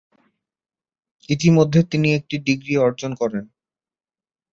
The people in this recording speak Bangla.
ইতোমধ্যে তিনি একটি ডিগ্রি অর্জন করেন।